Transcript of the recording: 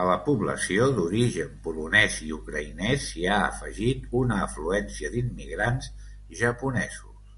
A la població d'origen polonès i ucraïnès s'hi ha afegit una afluència d'immigrants japonesos.